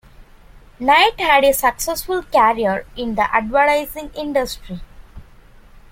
Knight had a successful career in the advertising industry.